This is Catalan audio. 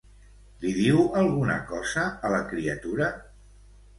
Li diu alguna cosa a la criatura?